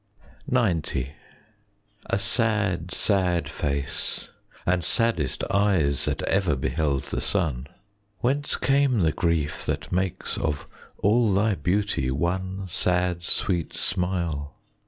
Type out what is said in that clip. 30 XC A sad, sad face, and saddest eyes that ever Beheld the sun, Whence came the grief that makes of all thy beauty One sad sweet smile?